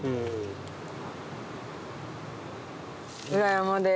裏山で。